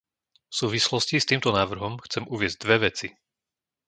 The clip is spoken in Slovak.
V súvislosti s týmto návrhom chcem uviesť dve veci.